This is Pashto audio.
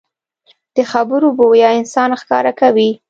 د خبرو بویه انسان ښکاره کوي